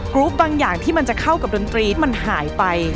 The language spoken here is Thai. รูปบางอย่างที่มันจะเข้ากับดนตรีที่มันหายไป